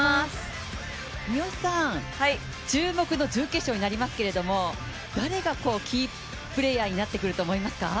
注目の準決勝になりますけれども誰がキープレーヤーになってくると思いますか？